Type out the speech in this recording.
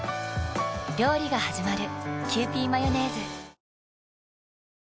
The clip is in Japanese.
料理がはじまる。